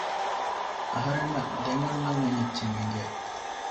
އަހަރެންނަށް ދެން އަންނަން އޮތް އެއްޗެއް އެނގެ